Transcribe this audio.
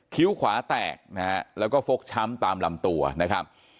ขวาแตกนะฮะแล้วก็ฟกช้ำตามลำตัวนะครับ